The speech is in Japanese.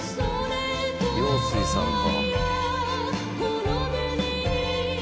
「陽水さんか」